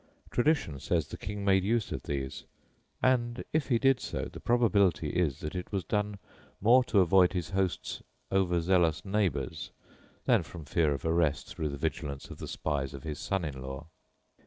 Tradition says the King made use of these; and if he did so, the probability is that it was done more to avoid his host's over zealous neighbours, than from fear of arrest through the vigilance of the spies of his son in law.